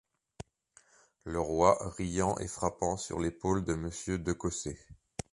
Le Roi, riant et frappant sur l’épaule de Monsieur de Cossé.